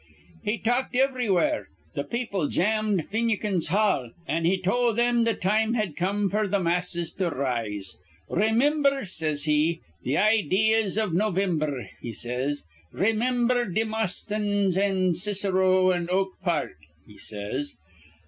"He talked ivrywhere. Th' people jammed Finucane's Hall, an' he tol' thim th' time had come f'r th' masses to r rise. 'Raymimber,' says he, 'th' idees iv Novimb'r,' he says. 'Raymimber Demosthens an' Cicero an' Oak Park,' he says.